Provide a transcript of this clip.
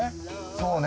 そうね。